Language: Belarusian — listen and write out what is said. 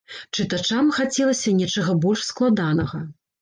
Чытачам хацелася нечага больш складанага.